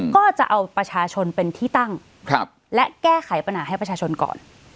ก็จะเอาประชาชนเป็นที่ตั้งและแก้ไขปัญหาให้ประชาชนก่อน